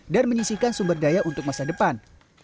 dan menyisihkan sumber daya untuk masa depan